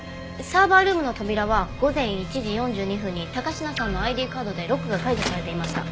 サーバールームの扉は午前１時４２分に高階さんのＩＤカードでロックが解除されていました。